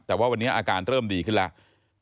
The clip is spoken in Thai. แต่ว่าวันนี้อาการเริ่มดีขึ้นแล้ว